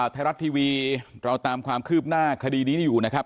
ไทยรัฐทีวีเราตามความคืบหน้าคดีนี้อยู่นะครับ